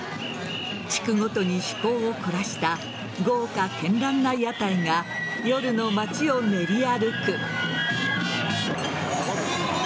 地区ごとに趣向を凝らした豪華絢爛な屋台が夜の街を練り歩く。